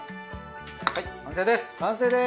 はい完成です。